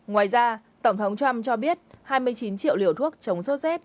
ngoài ra tổng thống trump cho biết hai mươi chín triệu liều thuốc chống sốt z